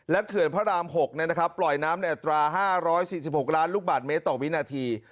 และเขื่อนพระราม๖เนี่ยนะครับปล่อยน้ำเนี่ยอัตรา๕๔๖ล้านลูกบาทเมตรต่อวินาที